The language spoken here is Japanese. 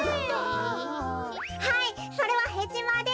はいそれはヘチマです。